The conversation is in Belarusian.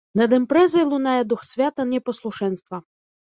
Над імпрэзай лунае дух свята непаслушэнства.